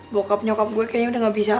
bokap nyokap gue kayaknya udah gak bisa